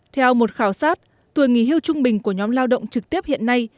theo một khảo sát tuổi nghỉ hưu trung bình của nhóm lao động trực tiếp hiện nay